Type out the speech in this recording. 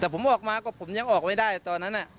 แต่ผมออกมาก็ผมยังออกไม่ได้ตอนนั้น